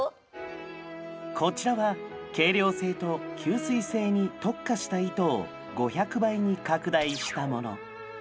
こちらは軽量性と吸水性に特化した糸を５００倍に拡大したもの。